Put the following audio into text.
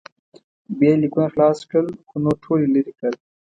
بیا یې لیکونه خلاص کړل خو نور ټول یې لرې کړل.